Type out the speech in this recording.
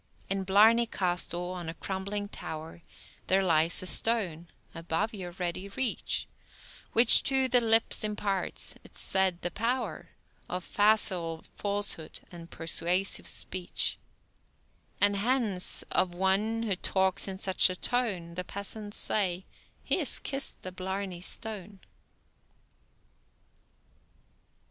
In Blarney Castle, on a crumbling tower, There lies a stone (above your ready reach), Which to the lips imparts, 'tis said, the power Of facile falsehood and persuasive speech; And hence, of one who talks in such a tone, The peasants say, "He's kissed the Blarney Stone."